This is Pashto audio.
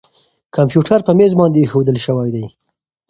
کمپیوټر په مېز باندې اېښودل شوی دی.